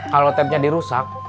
kalo tapnya dirusak